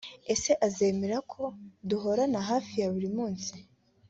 Ese azemera ko duhorana hafi ya buri munsi